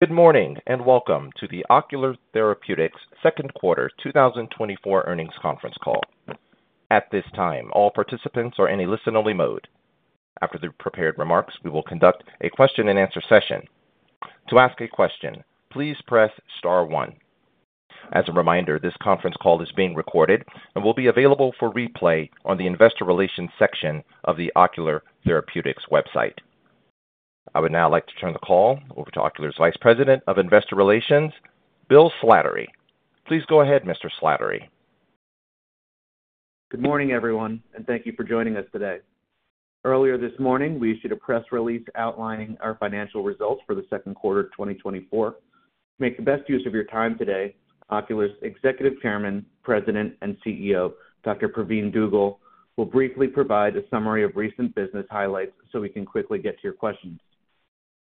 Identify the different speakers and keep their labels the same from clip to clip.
Speaker 1: Good morning, and welcome to the Ocular Therapeutix second quarter 2024 earnings conference call. At this time, all participants are in a listen-only mode. After the prepared remarks, we will conduct a question-and-answer session. To ask a question, please press star one. As a reminder, this conference call is being recorded and will be available for replay on the investor relations section of the Ocular Therapeutix website. I would now like to turn the call over to Ocular Therapeutix's Vice President of Investor Relations, Bill Slattery. Please go ahead, Mr. Slattery.
Speaker 2: Good morning, everyone, and thank you for joining us today. Earlier this morning, we issued a press release outlining our financial results for the second quarter of 2024. To make the best use of your time today, Ocular's Executive Chairman, President, and CEO, Dr. Pravin Dugel, will briefly provide a summary of recent business highlights so we can quickly get to your questions.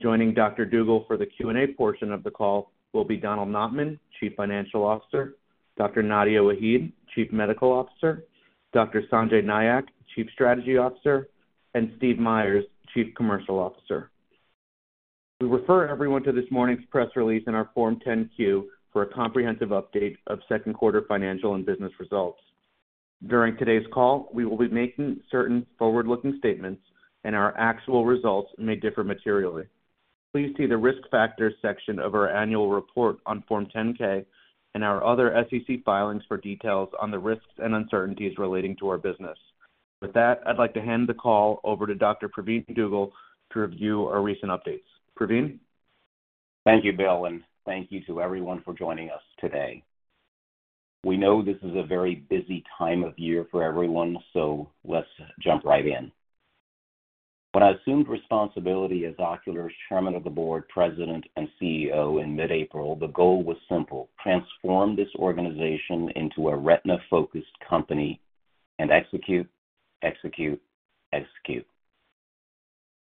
Speaker 2: Joining Dr. Dugel for the Q&A portion of the call will be Donald Notman, Chief Financial Officer, Dr. Nadia Waheed, Chief Medical Officer, Dr. Sanjay Nayak, Chief Strategy Officer, and Steve Myers, Chief Commercial Officer. We refer everyone to this morning's press release in our Form 10-Q for a comprehensive update of second quarter financial and business results. During today's call, we will be making certain forward-looking statements, and our actual results may differ materially. Please see the Risk Factors section of our annual report on Form 10-K and our other SEC filings for details on the risks and uncertainties relating to our business. With that, I'd like to hand the call over to Dr. Pravin Dugel to review our recent updates. Pravin?
Speaker 3: Thank you, Bill, and thank you to everyone for joining us today. We know this is a very busy time of year for everyone, so let's jump right in. When I assumed responsibility as Ocular's Chairman of the Board, President, and CEO in mid-April, the goal was simple: transform this organization into a retina-focused company and execute, execute, execute.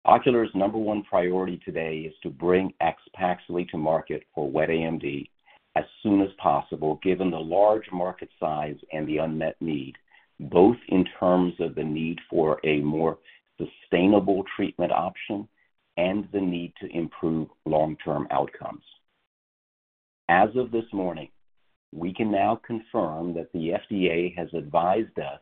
Speaker 3: Ocular's number one priority today is to bring AXPAXLI to market for wet AMD as soon as possible, given the large market size and the unmet need, both in terms of the need for a more sustainable treatment option and the need to improve long-term outcomes. As of this morning, we can now confirm that the FDA has advised us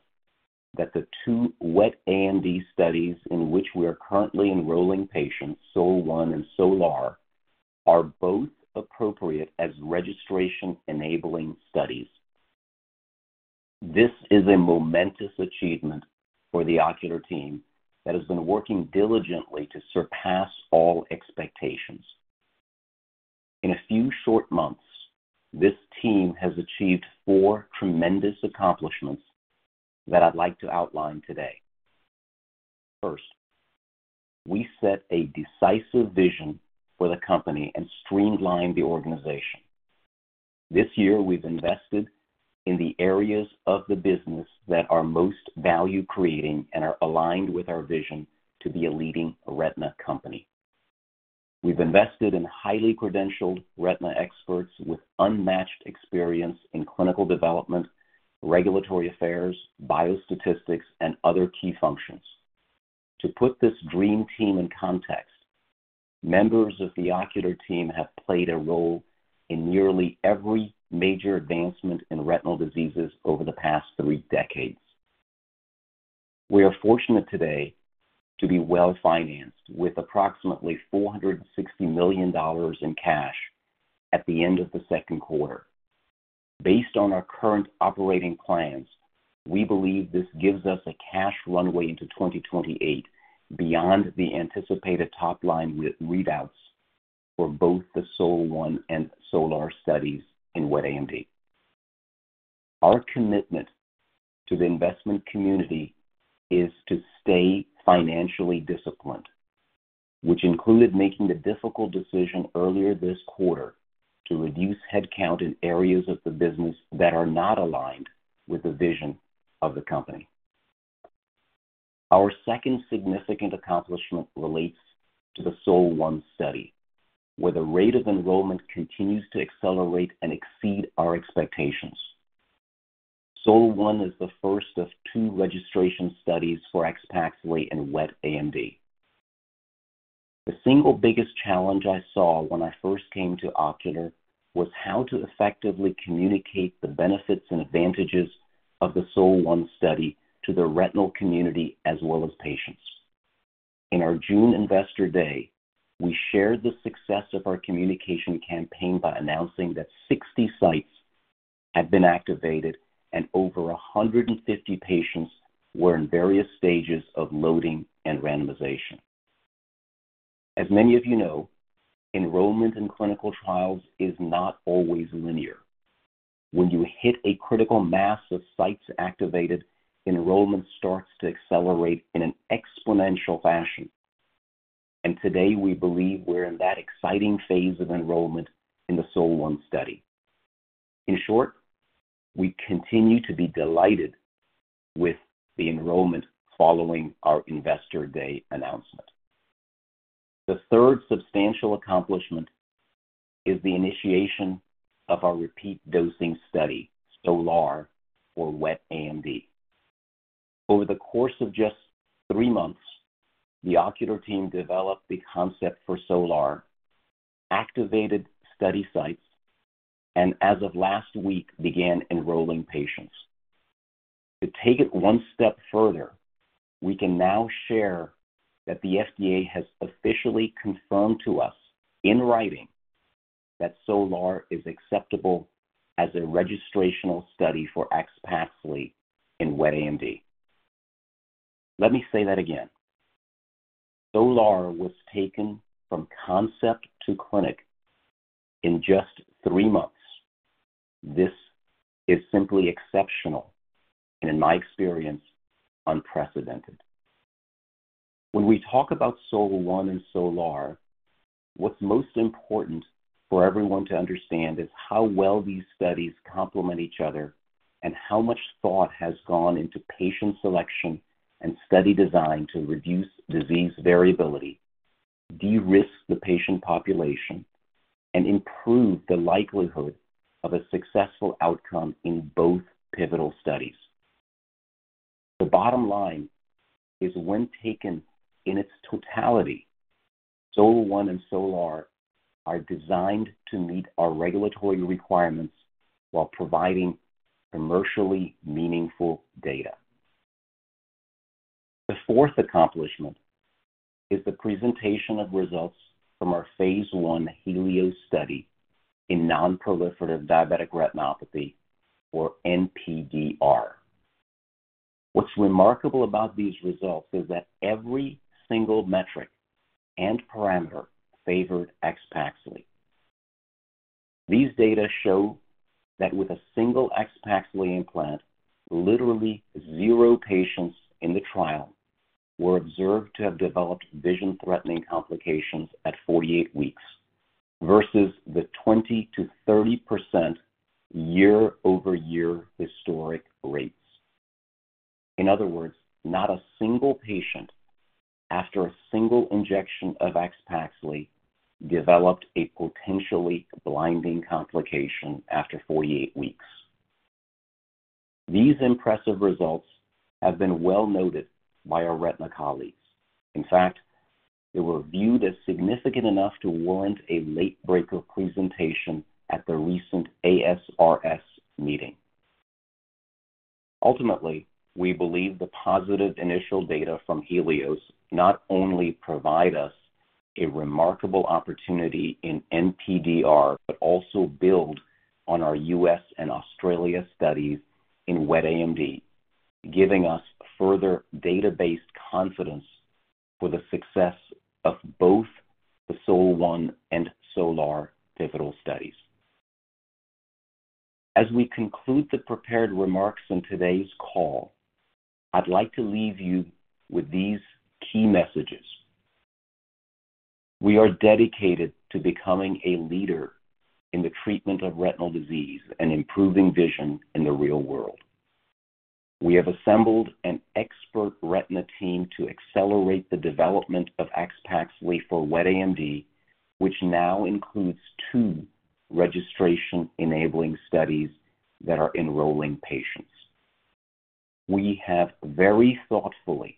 Speaker 3: that the two wet AMD studies in which we are currently enrolling patients, SOL-1 and SOLAR, are both appropriate as registration-enabling studies. This is a momentous achievement for the Ocular team that has been working diligently to surpass all expectations. In a few short months, this team has achieved four tremendous accomplishments that I'd like to outline today. First, we set a decisive vision for the company and streamlined the organization. This year, we've invested in the areas of the business that are most value-creating and are aligned with our vision to be a leading retina company. We've invested in highly credentialed retina experts with unmatched experience in clinical development, regulatory affairs, biostatistics, and other key functions. To put this dream team in context, members of the Ocular team have played a role in nearly every major advancement in retinal diseases over the past three decades. We are fortunate today to be well-financed with approximately $460 million in cash at the end of the second quarter. Based on our current operating plans, we believe this gives us a cash runway into 2028, beyond the anticipated top-line readouts for both the SOL-1 and SOLAR studies in wet AMD. Our commitment to the investment community is to stay financially disciplined, which included making the difficult decision earlier this quarter to reduce headcount in areas of the business that are not aligned with the vision of the company. Our second significant accomplishment relates to the SOL-1 study, where the rate of enrollment continues to accelerate and exceed our expectations. SOL-1 is the first of two registration studies for AXPAXLI in wet AMD. The single biggest challenge I saw when I first came to Ocular was how to effectively communicate the benefits and advantages of the SOL-1 study to the retinal community as well as patients. In our June Investor Day, we shared the success of our communication campaign by announcing that 60 sites had been activated and over 150 patients were in various stages of loading and randomization. As many of you know, enrollment in clinical trials is not always linear. When you hit a critical mass of sites activated, enrollment starts to accelerate in an exponential fashion, and today we believe we're in that exciting phase of enrollment in the SOL-1 study. In short, we continue to be delighted with the enrollment following our Investor Day announcement. The third substantial accomplishment is the initiation of our repeat dosing study, SOLAR, for wet AMD. Over the course of just three months, the Ocular team developed the concept for SOLAR, activated study sites, and as of last week, began enrolling patients. To take it one step further, we can now share that the FDA has officially confirmed to us in writing that SOLAR is acceptable as a registrational study for AXPAXLI in wet AMD. Let me say that again. SOLAR was taken from concept to clinic in just three months. This is simply exceptional, and in my experience, unprecedented. When we talk about SOL-1 and SOLAR, what's most important for everyone to understand is how well these studies complement each other, and how much thought has gone into patient selection and study design to reduce disease variability, de-risk the patient population, and improve the likelihood of a successful outcome in both pivotal studies. The bottom line is, when taken in its totality, SOL-1 and SOLAR are designed to meet our regulatory requirements while providing commercially meaningful data. The fourth accomplishment is the presentation of results from our phase I HELIOS study in non-proliferative diabetic retinopathy, or NPDR. What's remarkable about these results is that every single metric and parameter favored AXPAXLI. These data show that with a single AXPAXLI implant, literally zero patients in the trial were observed to have developed vision-threatening complications at 48 weeks, versus the 20%-30% year-over-year historic rates. In other words, not a single patient after a single injection of AXPAXLI developed a potentially blinding complication after 48 weeks. These impressive results have been well noted by our retina colleagues. In fact, they were viewed as significant enough to warrant a late breaker presentation at the recent ASRS meeting. Ultimately, we believe the positive initial data from HELIOS not only provide us a remarkable opportunity in NPDR, but also build on our U.S. and Australia studies in wet AMD, giving us further data-based confidence for the success of both the SOL-1 and SOLAR pivotal studies. As we conclude the prepared remarks on today's call, I'd like to leave you with these key messages. We are dedicated to becoming a leader in the treatment of retinal disease and improving vision in the real world. We have assembled an expert retina team to accelerate the development of AXPAXLI for wet AMD, which now includes two registration-enabling studies that are enrolling patients. We have very thoughtfully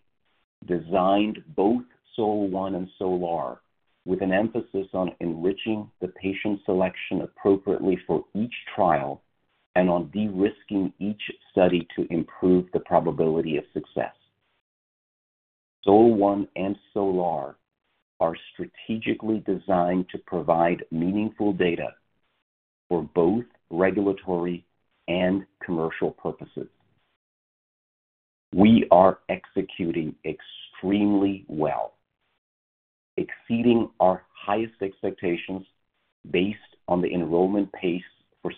Speaker 3: designed both SOL-1 and SOLAR with an emphasis on enriching the patient selection appropriately for each trial and on de-risking each study to improve the probability of success. SOL-1 and SOLAR are strategically designed to provide meaningful data for both regulatory and commercial purposes. We are executing extremely well, exceeding our highest expectations based on the enrollment pace for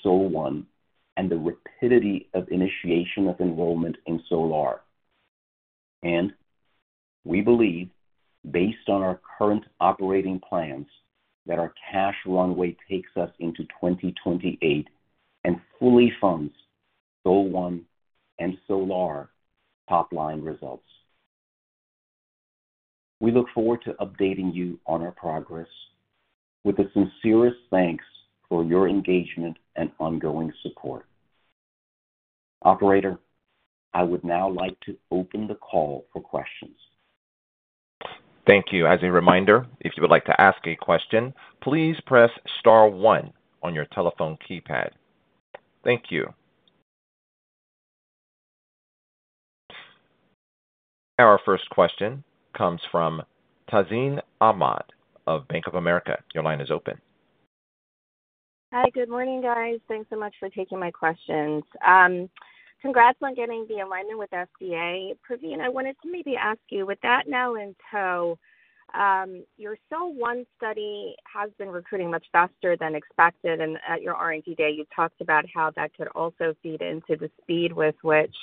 Speaker 3: SOL-1 and the rapidity of initiation of enrollment in SOLAR. We believe, based on our current operating plans, that our cash runway takes us into 2028 and fully funds SOL-1 and SOLAR top-line results. We look forward to updating you on our progress with the sincerest thanks for your engagement and ongoing support. Operator, I would now like to open the call for questions.
Speaker 1: Thank you. As a reminder, if you would like to ask a question, please press star one on your telephone keypad. Thank you. Our first question comes from Tazeen Ahmad of Bank of America. Your line is open.
Speaker 4: Hi, good morning, guys. Thanks so much for taking my questions. Congrats on getting the alignment with FDA. Pravin, I wanted to maybe ask you, with that now in tow, your SOL-1 study has been recruiting much faster than expected, and at your R&D day, you talked about how that could also feed into the speed with which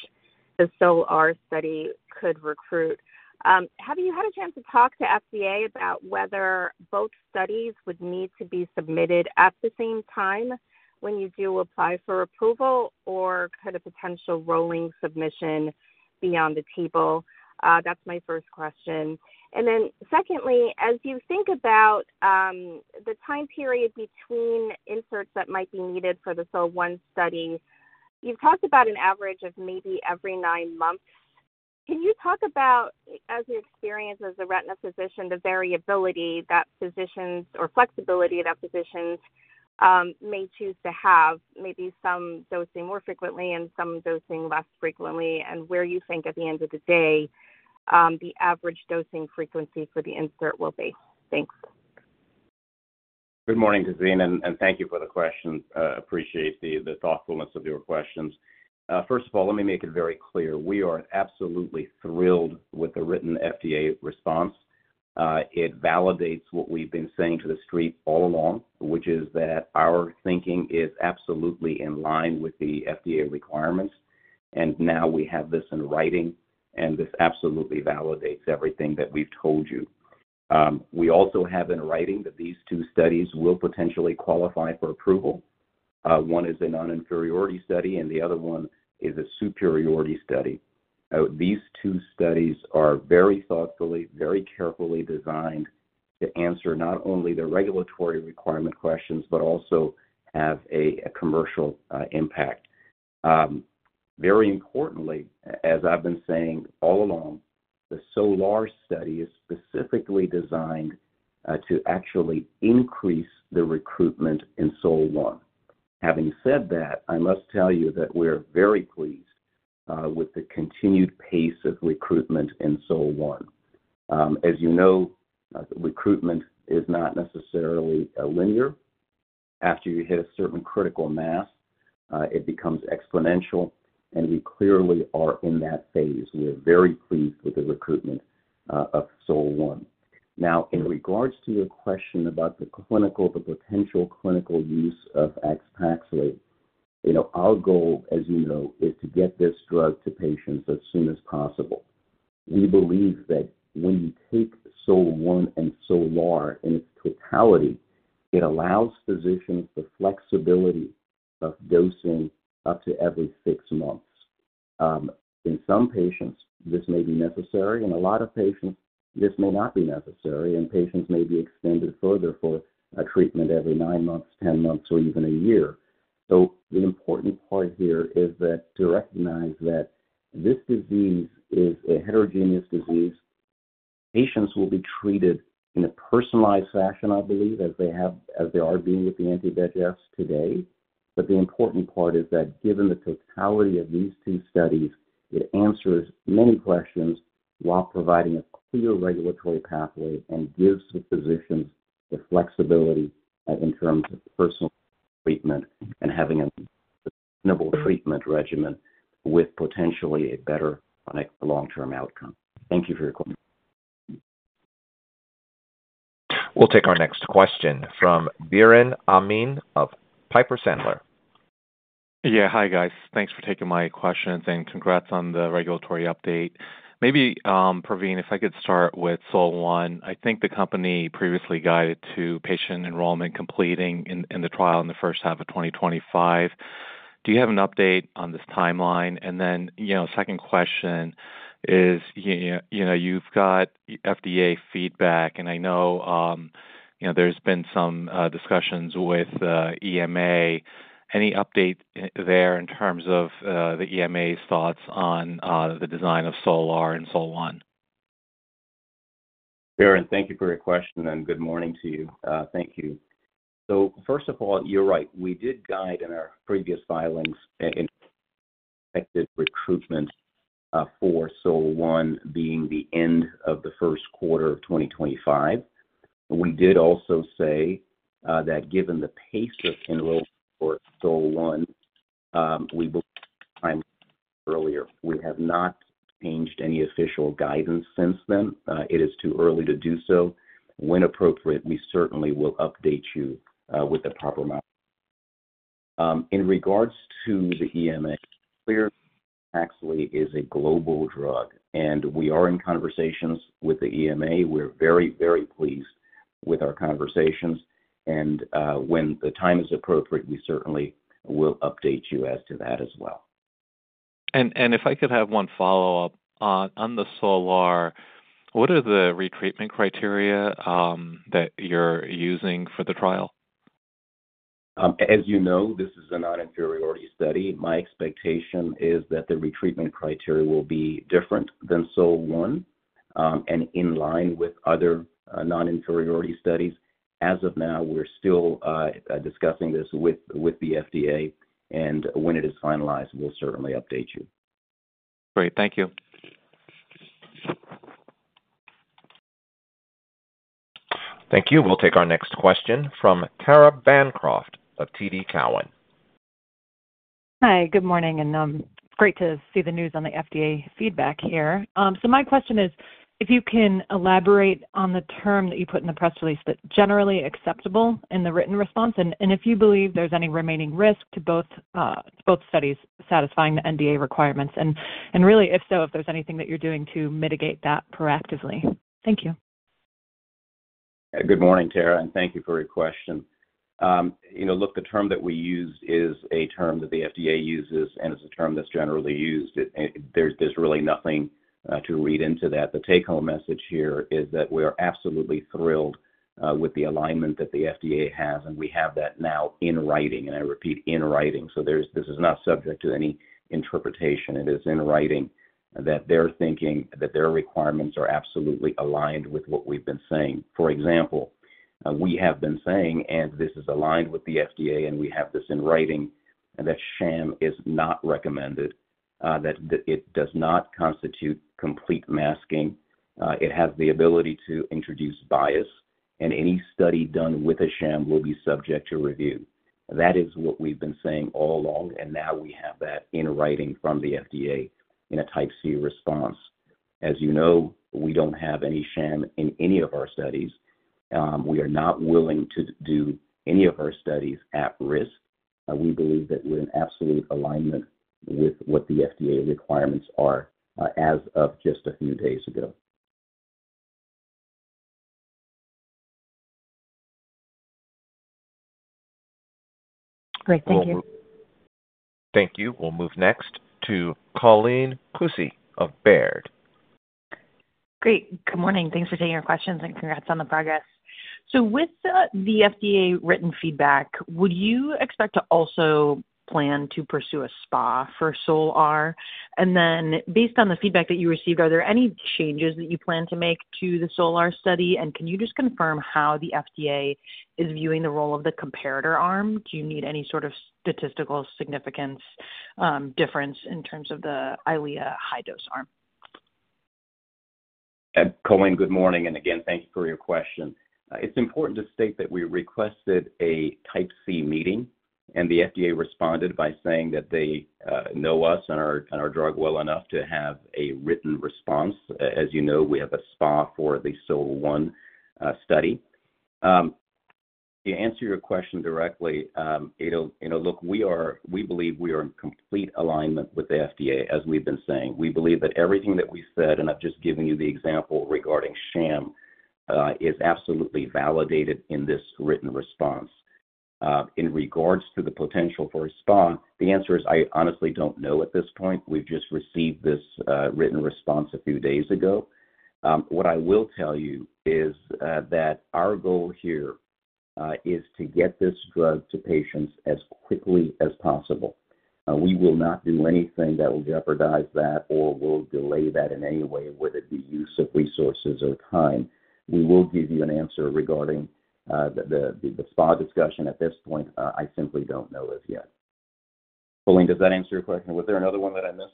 Speaker 4: the SOLAR study could recruit. Have you had a chance to talk to FDA about whether both studies would need to be submitted at the same time when you do apply for approval, or could a potential rolling submission be on the table? That's my first question. And then secondly, as you think about the time period between inserts that might be needed for the SOL-1 study, you've talked about an average of maybe every nine months. Can you talk about, as your experience as a retina physician, the variability that physicians or flexibility that physicians may choose to have, maybe some dosing more frequently and some dosing less frequently, and where you think at the end of the day, the average dosing frequency for the insert will be? Thanks.
Speaker 3: Good morning, Tazeen, and thank you for the question. Appreciate the thoughtfulness of your questions. First of all, let me make it very clear, we are absolutely thrilled with the written FDA response. It validates what we've been saying to the street all along, which is that our thinking is absolutely in line with the FDA requirements, and now we have this in writing, and this absolutely validates everything that we've told you. We also have in writing that these two studies will potentially qualify for approval. One is a non-inferiority study, and the other one is a superiority study. These two studies are very thoughtfully, very carefully designed to answer not only the regulatory requirement questions, but also have a commercial impact. Very importantly, as I've been saying all along, the SOLAR study is specifically designed to actually increase the recruitment in SOL-1. Having said that, I must tell you that we're very pleased with the continued pace of recruitment in SOL-1. As you know, recruitment is not necessarily linear. After you hit a certain critical mass, it becomes exponential, and we clearly are in that phase. We are very pleased with the recruitment of SOL-1. Now, in regards to your question about the clinical, the potential clinical use of AXPAXLI, you know, our goal, as you know, is to get this drug to patients as soon as possible. We believe that when you take SOL-1 and SOLAR in its totality, it allows physicians the flexibility of dosing up to every six months. In some patients, this may be necessary, and a lot of patients, this may not be necessary, and patients may be extended further for a treatment every nine months, 10 months, or even a year. So the important part here is that to recognize that this disease is a heterogeneous disease. Patients will be treated in a personalized fashion, I believe, as they have- as they are being with the anti-VEGFs today. But the important part is that given the totality of these two studies, it answers many questions while providing a clear regulatory pathway and gives the physicians the flexibility in terms of personal treatment and having a sustainable treatment regimen with potentially a better long-term outcome. Thank you for your question.
Speaker 1: We'll take our next question from Biren Amin of Piper Sandler.
Speaker 5: Yeah. Hi, guys. Thanks for taking my questions, and congrats on the regulatory update. Maybe, Pravin, if I could start with SOL-1. I think the company previously guided to patient enrollment completing in the trial in the first half of 2025. Do you have an update on this timeline? And then, you know, second question is, you know, you've got FDA feedback, and I know, you know, there's been some discussions with EMA. Any update there in terms of the EMA's thoughts on the design of SOLAR and SOL-1?
Speaker 3: Biren, thank you for your question, and good morning to you. Thank you. So first of all, you're right. We did guide in our previous filings and expected recruitment for SOL-1 being the end of the first quarter of 2025. We did also say that given the pace of enrollment for SOL-1, we will time earlier. We have not changed any official guidance since then. It is too early to do so. When appropriate, we certainly will update you with the proper amount. In regards to the EMA, AXPAXLI actually is a global drug, and we are in conversations with the EMA. We're very, very pleased with our conversations, and when the time is appropriate, we certainly will update you as to that as well.
Speaker 5: If I could have one follow-up on the SOLAR, what are the retreatment criteria that you're using for the trial?
Speaker 3: As you know, this is a non-inferiority study. My expectation is that the retreatment criteria will be different than SOL-1, and in line with other non-inferiority studies. As of now, we're still discussing this with the FDA, and when it is finalized, we'll certainly update you.
Speaker 5: Great. Thank you.
Speaker 1: Thank you. We'll take our next question from Tara Bancroft of TD Cowen.
Speaker 6: Hi, good morning, and great to see the news on the FDA feedback here. So my question is, if you can elaborate on the term that you put in the press release, that generally acceptable in the written response, and if you believe there's any remaining risk to both both studies satisfying the NDA requirements, and really, if so, if there's anything that you're doing to mitigate that proactively. Thank you....
Speaker 3: Good morning, Tara, and thank you for your question. You know, look, the term that we used is a term that the FDA uses, and it's a term that's generally used. There's really nothing to read into that. The take-home message here is that we are absolutely thrilled with the alignment that the FDA has, and we have that now in writing, and I repeat, in writing. So, this is not subject to any interpretation. It is in writing that they're thinking that their requirements are absolutely aligned with what we've been saying. For example, we have been saying, and this is aligned with the FDA, and we have this in writing, that sham is not recommended, that it does not constitute complete masking, it has the ability to introduce bias, and any study done with a sham will be subject to review. That is what we've been saying all along, and now we have that in writing from the FDA in a Type C response. As you know, we don't have any sham in any of our studies. We are not willing to do any of our studies at risk. We believe that we're in absolute alignment with what the FDA requirements are, as of just a few days ago.
Speaker 6: Great, thank you.
Speaker 1: Thank you. We'll move next to Colleen Kusy of Baird.
Speaker 7: Great, good morning. Thanks for taking our questions, and congrats on the progress. So with the FDA written feedback, would you expect to also plan to pursue a SPA for SOLAR? And then based on the feedback that you received, are there any changes that you plan to make to the SOLAR study? And can you just confirm how the FDA is viewing the role of the comparator arm? Do you need any sort of statistical significance, difference in terms of the EYLEA high dose arm?
Speaker 3: Colleen, good morning, and again, thank you for your question. It's important to state that we requested a Type C meeting, and the FDA responded by saying that they know us and our drug well enough to have a written response. As you know, we have a SPA for the SOL-1 study. To answer your question directly, you know, you know, look, we are-- we believe we are in complete alignment with the FDA, as we've been saying. We believe that everything that we said, and I've just given you the example regarding sham, is absolutely validated in this written response. In regards to the potential for a SPA, the answer is, I honestly don't know at this point. We've just received this written response a few days ago. What I will tell you is that our goal here is to get this drug to patients as quickly as possible. We will not do anything that will jeopardize that or will delay that in any way, whether it be use of resources or time. We will give you an answer regarding the SPA discussion. At this point, I simply don't know as yet. Colleen, does that answer your question? Was there another one that I missed?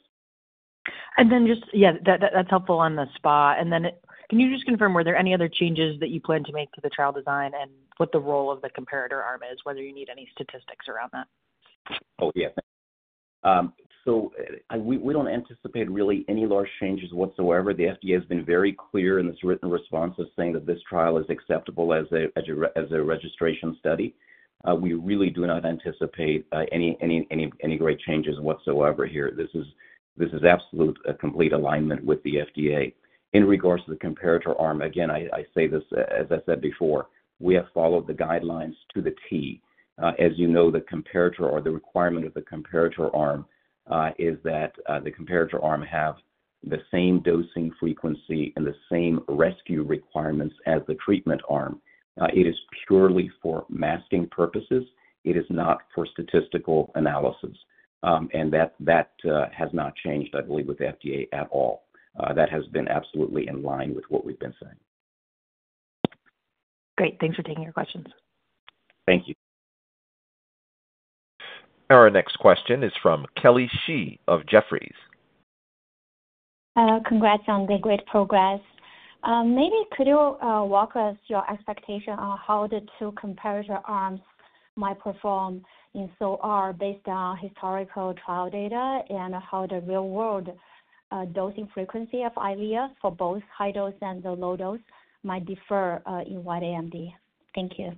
Speaker 7: And then, yeah, that's helpful on the SPA. And then, can you just confirm, were there any other changes that you plan to make to the trial design and what the role of the comparator arm is, whether you need any statistics around that?
Speaker 3: Oh, yeah. So, we don't anticipate really any large changes whatsoever. The FDA has been very clear in this written response of saying that this trial is acceptable as a registration study. We really do not anticipate any great changes whatsoever here. This is absolute, a complete alignment with the FDA. In regards to the comparator arm, again, I say this, as I said before, we have followed the guidelines to the T. As you know, the comparator or the requirement of the comparator arm is that the comparator arm have the same dosing frequency and the same rescue requirements as the treatment arm. It is purely for masking purposes. It is not for statistical analysis. And that has not changed, I believe, with the FDA at all. That has been absolutely in line with what we've been saying.
Speaker 7: Great. Thanks for taking our questions.
Speaker 3: Thank you.
Speaker 1: Our next question is from Kelly Shi of Jefferies.
Speaker 8: Congrats on the great progress. Maybe could you walk us your expectation on how the two comparator arms might perform in SOLAR based on historical trial data and how the real-world dosing frequency of EYLEA for both high dose and the low dose might differ in wet AMD? Thank you.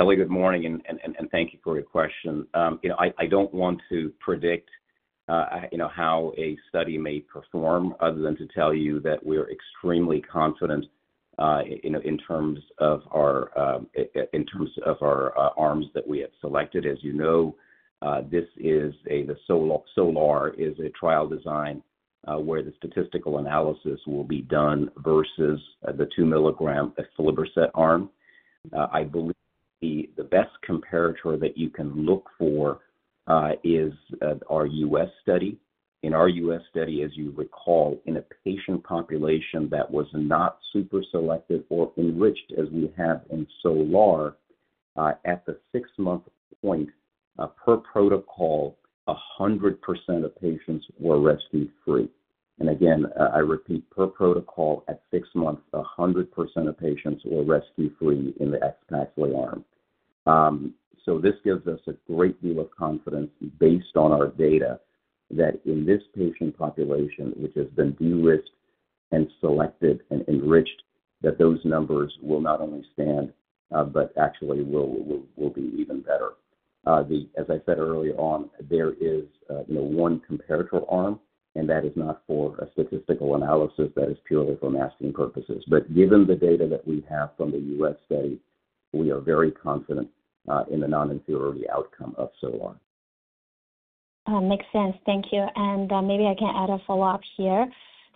Speaker 3: Kelly, good morning, and thank you for your question. You know, I don't want to predict, you know, how a study may perform other than to tell you that we're extremely confident in terms of our arms that we have selected. As you know, this is the SOLAR trial design where the statistical analysis will be done versus the 2 mg aflibercept arm. I believe the best comparator that you can look for is our U.S. study. In our U.S. study, as you recall, in a patient population that was not super selective or enriched, as we have in SOLAR, at the six-month point, per protocol, 100% of patients were rescue free. Again, I repeat, per protocol, at six months, 100% of patients were rescue free in the AXPAXLI arm. So this gives us a great deal of confidence based on our data, that in this patient population, which has been de-risked and selected and enriched, that those numbers will not only stand, but actually will, will, will be even better. As I said early on, there is no one comparator arm, and that is not for a statistical analysis, that is purely for masking purposes. But given the data that we have from the U.S. study, we are very confident in the non-inferiority outcome of SOLAR.
Speaker 8: Makes sense. Thank you. And, maybe I can add a follow-up here.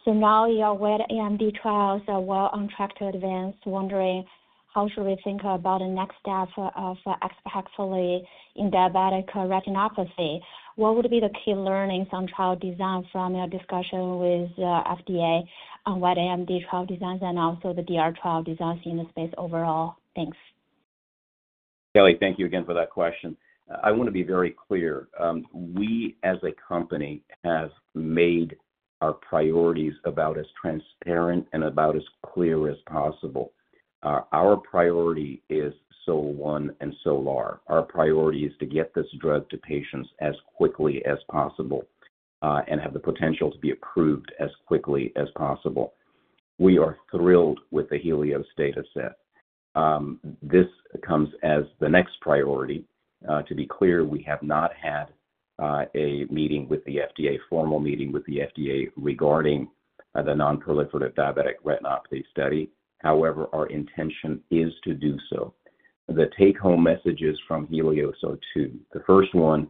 Speaker 8: So now your wet AMD trials are well on track to advance. Wondering, how should we think about the next step of, AXPAXLI in diabetic retinopathy? What would be the key learnings on trial design from your discussion with, FDA on wet AMD trial designs and also the DR trial designs in the space overall? Thanks.
Speaker 3: Kelly, thank you again for that question. I want to be very clear. We, as a company, have made our priorities about as transparent and about as clear as possible. Our priority is SOL-1 and SOLAR. Our priority is to get this drug to patients as quickly as possible, and have the potential to be approved as quickly as possible. We are thrilled with the HELIOS data set. This comes as the next priority. To be clear, we have not had a meeting with the FDA, formal meeting with the FDA, regarding the non-proliferative diabetic retinopathy study. However, our intention is to do so. The take-home messages from HELIOS are two. The first one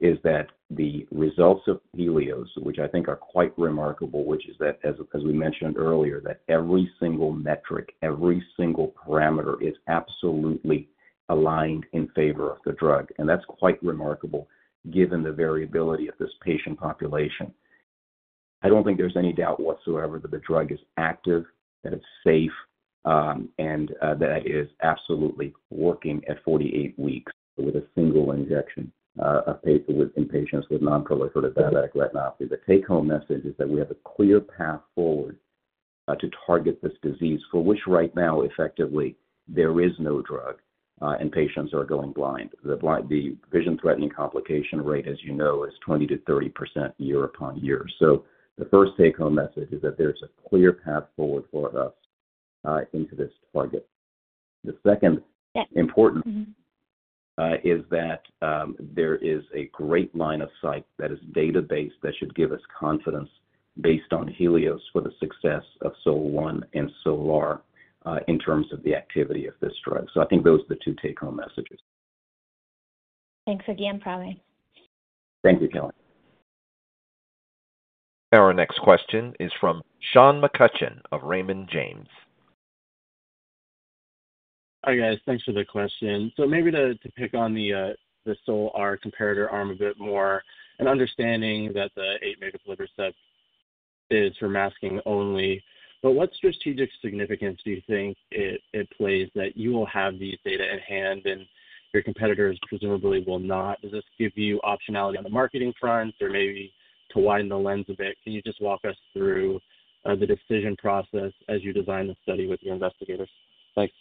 Speaker 3: is that the results of HELIOS, which I think are quite remarkable, which is that, as we mentioned earlier, that every single metric, every single parameter is absolutely aligned in favor of the drug, and that's quite remarkable given the variability of this patient population. I don't think there's any doubt whatsoever that the drug is active, that it's safe, and that it is absolutely working at 48 weeks with a single injection of AXPAXLI in patients with non-proliferative diabetic retinopathy. The take-home message is that we have a clear path forward to target this disease, for which right now, effectively, there is no drug, and patients are going blind. The vision-threatening complication rate, as you know, is 20%-30% year upon year. So the first take-home message is that there's a clear path forward for us, into this target. The second-
Speaker 8: Yeah.
Speaker 3: Important is that there is a great line of sight that is data-based that should give us confidence based on HELIOS for the success of SOL-1 and SOLAR in terms of the activity of this drug. So I think those are the two take-home messages.
Speaker 8: Thanks again, Pravin.
Speaker 3: Thank you, Kelly.
Speaker 1: Our next question is from Sean McCutcheon of Raymond James.
Speaker 9: Hi, guys. Thanks for the question. So maybe to pick on the SOLAR comparator arm a bit more, and understanding that the 8 mg aflibercept is for masking only, but what strategic significance do you think it plays that you will have these data at hand and your competitors presumably will not? Does this give you optionality on the marketing front or maybe to widen the lens a bit? Can you just walk us through the decision process as you design the study with your investigators? Thanks.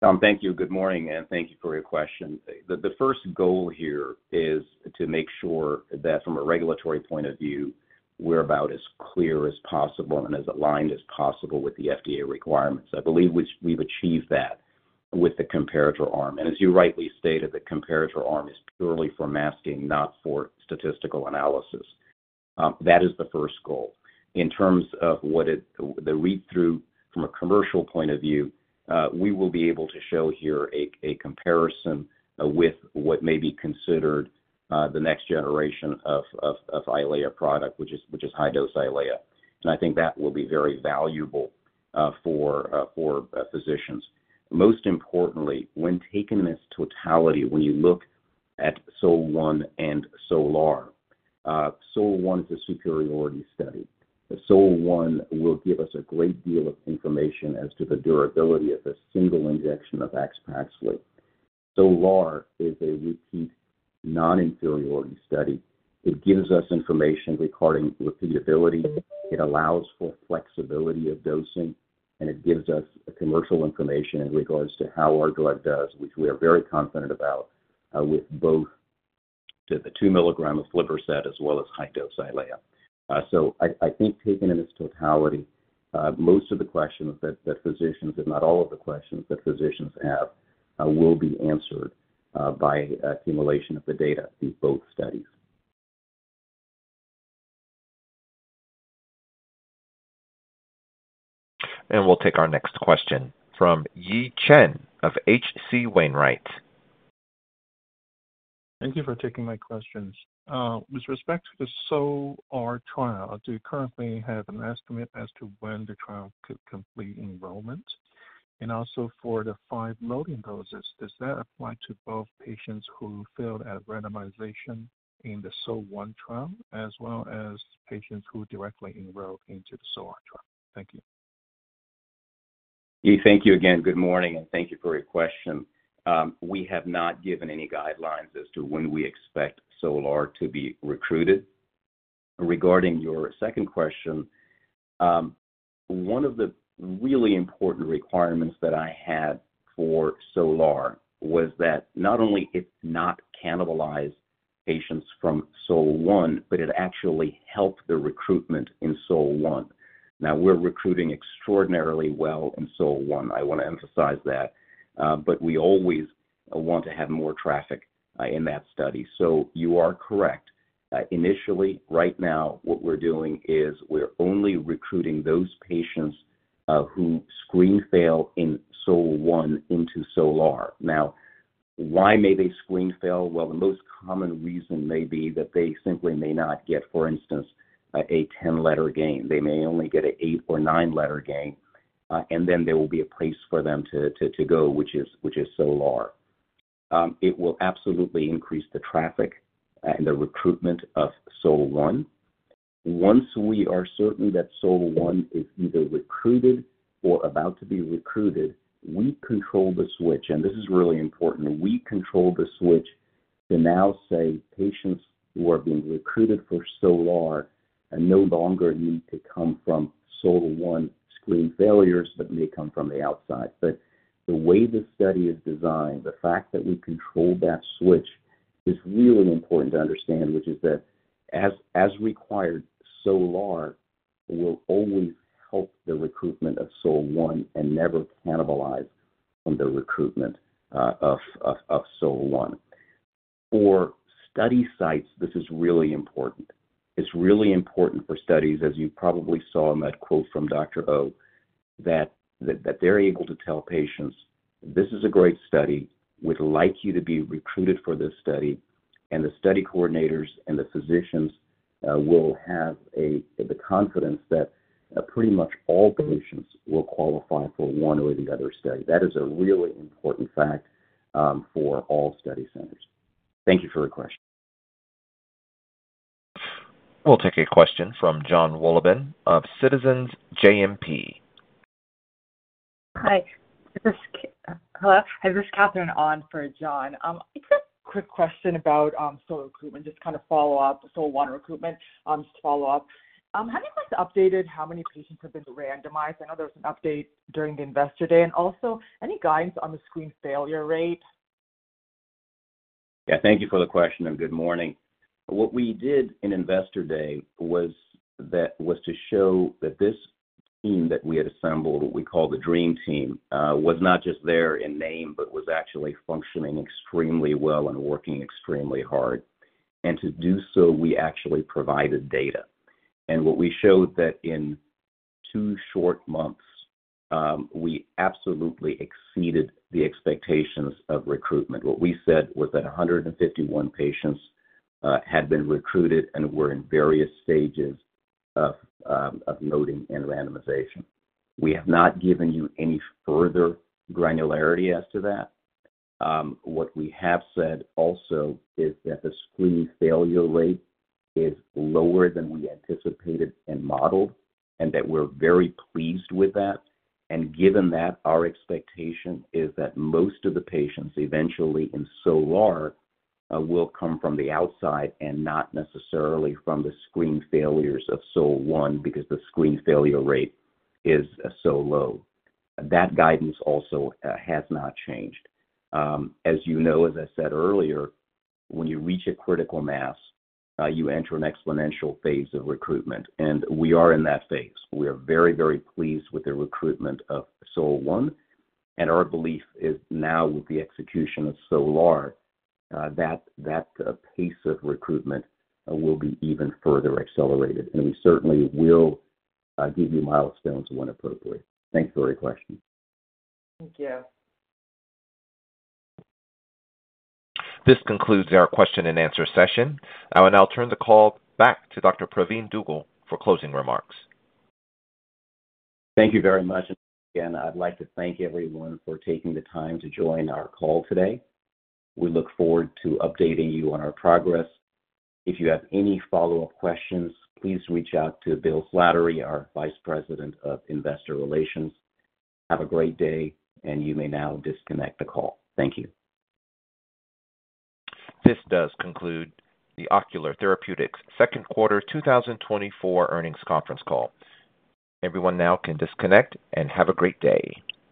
Speaker 3: Sean, thank you. Good morning, and thank you for your question. The first goal here is to make sure that from a regulatory point of view, we're about as clear as possible and as aligned as possible with the FDA requirements. I believe we've achieved that with the comparator arm. And as you rightly stated, the comparator arm is purely for masking, not for statistical analysis. That is the first goal. In terms of the read-through from a commercial point of view, we will be able to show here a comparison with what may be considered the next generation of EYLEA product, which is high-dose EYLEA. And I think that will be very valuable for physicians. Most importantly, when taken in its totality, when you look at SOL-1 and SOLAR, SOL-1 is a superiority study. The SOL-1 will give us a great deal of information as to the durability of a single injection of AXPAXLI. SOLAR is a repeat non-inferiority study. It gives us information regarding repeatability, it allows for flexibility of dosing, and it gives us commercial information in regards to how our drug does, which we are very confident about, with both the 2 mg of aflibercept as well as high-dose EYLEA. So I, I think taken in its totality, most of the questions that, that physicians, if not all of the questions that physicians have, will be answered, by accumulation of the data in both studies.
Speaker 1: We'll take our next question from Yi Chen of H.C. Wainwright.
Speaker 10: Thank you for taking my questions. With respect to the SOLAR trial, do you currently have an estimate as to when the trial could complete enrollment? And also for the five loading doses, does that apply to both patients who failed at randomization in the SOL-1 trial, as well as patients who directly enroll into the SOLAR trial? Thank you.
Speaker 3: Yi, thank you again. Good morning, and thank you for your question. We have not given any guidelines as to when we expect SOLAR to be recruited. Regarding your second question, one of the really important requirements that I had for SOLAR was that not only it not cannibalized patients from SOL-1, but it actually helped the recruitment in SOL-1. Now, we're recruiting extraordinarily well in SOL-1. I want to emphasize that. But we always want to have more traffic in that study. So you are correct. Initially, right now, what we're doing is we're only recruiting those patients who screen fail in SOL-1 into SOLAR. Now, why may they screen fail? Well, the most common reason may be that they simply may not get, for instance, a 10-letter gain. They may only get an 8- or 9-letter gain, and then there will be a place for them to go, which is SOLAR. It will absolutely increase the traffic and the recruitment of SOL-1. Once we are certain that SOL-1 is either recruited or about to be recruited, we control the switch, and this is really important. We control the switch to now say patients who are being recruited for SOLAR and no longer need to come from SOL-1 screen failures, but may come from the outside. But the way the study is designed, the fact that we control that switch is really important to understand, which is that as required, SOLAR will always help the recruitment of SOL-1 and never cannibalize on the recruitment of SOL-1. For study sites, this is really important. It's really important for studies, as you probably saw in that quote from Dr. Oh, that they're able to tell patients: This is a great study. We'd like you to be recruited for this study, and the study coordinators and the physicians will have the confidence that pretty much all patients will qualify for one or the other study. That is a really important fact for all study centers. Thank you for the question.
Speaker 1: We'll take a question from Jonathan Wolleben of Citizens JMP.
Speaker 11: Hi, this is Catherine on for John. It's a quick question about SOL recruitment, just to kind of follow up, the SOL-1 recruitment, just to follow up. Have you guys updated how many patients have been randomized? I know there was an update during the Investor Day, and also any guidance on the screen failure rate?
Speaker 3: Yeah, thank you for the question, and good morning. What we did in Investor Day was to show that this team that we had assembled, what we call the Dream team, was not just there in name, but was actually functioning extremely well and working extremely hard. And to do so, we actually provided data. And what we showed that in two short months, we absolutely exceeded the expectations of recruitment. What we said was that 151 patients had been recruited and were in various stages of loading and randomization. We have not given you any further granularity as to that. What we have said also is that the screen failure rate is lower than we anticipated and modeled, and that we're very pleased with that. And given that, our expectation is that most of the patients eventually in SOLAR will come from the outside and not necessarily from the screen failures of SOL-1, because the screen failure rate is so low. That guidance also has not changed. As you know, as I said earlier, when you reach a critical mass, you enter an exponential phase of recruitment, and we are in that phase. We are very, very pleased with the recruitment of SOL-1, and our belief is now with the execution of SOLAR, that, that pace of recruitment will be even further accelerated, and we certainly will give you milestones when appropriate. Thanks for your question.
Speaker 11: Thank you.
Speaker 1: This concludes our question-and-answer session. I will now turn the call back to Dr. Pravin Dugel for closing remarks.
Speaker 3: Thank you very much. Again, I'd like to thank everyone for taking the time to join our call today. We look forward to updating you on our progress. If you have any follow-up questions, please reach out to Bill Slattery, our Vice President of Investor Relations. Have a great day, and you may now disconnect the call. Thank you.
Speaker 1: This does conclude the Ocular Therapeutix second quarter 2024 earnings conference call. Everyone now can disconnect and have a great day.